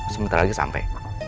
sebentar lagi sampe